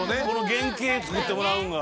原型作ってもらうんが。